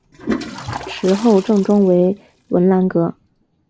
池后正中为文澜阁。